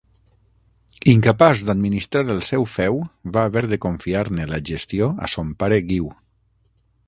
Incapaç d'administrar el seu feu, va haver de confiar-ne la gestió a son pare Guiu.